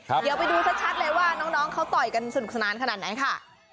เดี๋ยวไปดูชัดเลยว่าน้องเขาต่อยกันสนุกสนานขนาดไหนค่ะ